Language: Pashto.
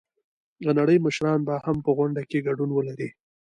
د نړۍ مشران به هم په غونډه کې ګډون ولري.